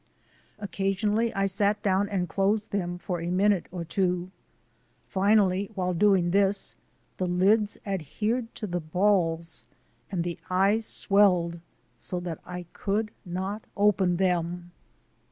Occasionally I sat down and closed them tor a minute or two. Finally, while doing this, the lids adhered to the balls and the eyes swelled so that I could not open them.